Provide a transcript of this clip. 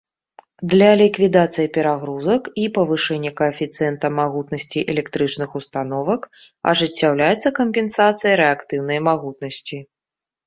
Для ліквідацыі перагрузак і павышэння каэфіцыента магутнасці электрычных установак ажыццяўляецца кампенсацыя рэактыўнай магутнасці.